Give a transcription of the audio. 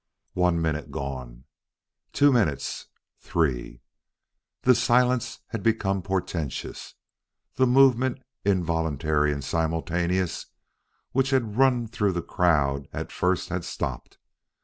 One minute gone! Two minutes! Three! The silence had become portentous. The movement, involuntary and simultaneous, which had run through the crowd at first had stopped.